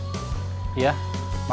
uangnya di rumah